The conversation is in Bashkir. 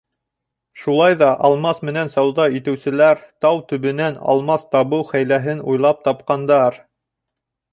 Шулай ҙа алмас менән сауҙа итеүселәр тау төбөнән алмас табыу хәйләһен уйлап тапҡандар.